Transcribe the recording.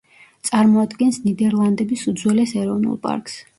წარმოადგენს ნიდერლანდების უძველეს ეროვნულ პარკს.